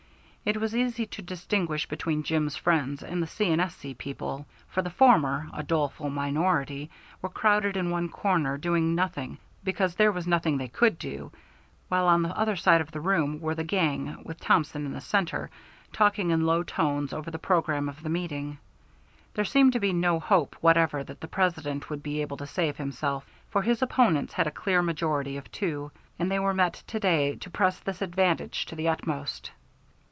It was easy to distinguish between Jim's friends and the C. & S.C. people; for the former, a doleful minority, were crowded in one corner doing nothing because there was nothing they could do, while on the other side of the room were the gang, with Thompson in the centre, talking in low tones over the programme of the meeting. There seemed to be no hope whatever that the President would be able to save himself, for his opponents had a clear majority of two, and they were met to day to press this advantage to the utmost.